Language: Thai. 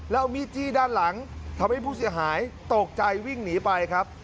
แล้วเอามีดจี้ด้านหลังทำให้ผู้เสียหายตกใจวิ่งหนีไปครับ